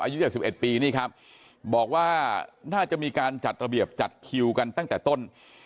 อายุ๗๑ปีนี่ครับบอกว่าน่าจะมีการจัดระเบียบจัดคิวกันตั้งแต่ต้น